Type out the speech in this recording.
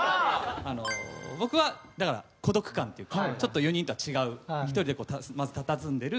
あの僕はだから孤独感っていうかちょっと４人とは違う１人でまずたたずんでる。